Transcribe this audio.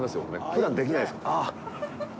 ふだん、できないですから。